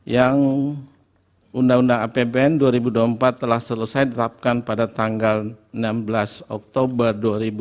yang undang undang apbn dua ribu dua puluh empat telah selesai ditetapkan pada tanggal enam belas oktober dua ribu dua puluh